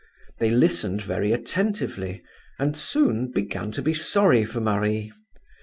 They listened very attentively and soon began to be sorry for Marie.